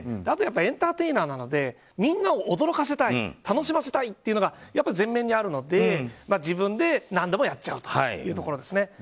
あと、エンターテイナーなのでみんな驚かせたい楽しませたいというのが前面にあるので自分で何度もやっちゃうんですね。